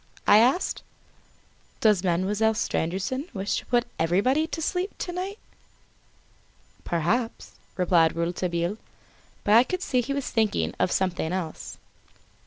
I asked. "Does Mademoiselle Stangerson wish to put everybody to sleep, to night?" "Perhaps," replied Rouletabille; but I could see he was thinking of something else.